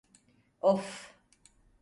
Oof!